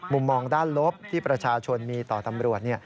มุมมองด้านลบที่ประชาชนมีต่อตำรวจ